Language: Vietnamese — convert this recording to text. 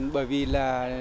bởi vì là